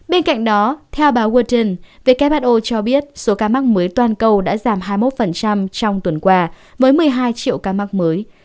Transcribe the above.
bên cạnh đó theo báo worten who cho biết số ca mắc mới toàn cầu đã giảm hai mươi một trong tuần qua với một mươi hai triệu ca mắc mới